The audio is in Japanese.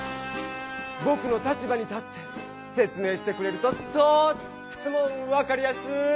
ぼくの立場に立って説明してくれるととっても分かりやすい！